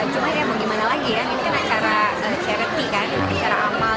cuma ya mau gimana lagi ya ini kan acara charity kan acara amal